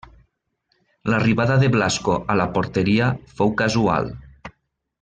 L'arribada de Blasco a la porteria fou casual.